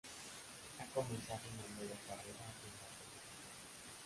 Ha comenzado una nueva carrera, en la política.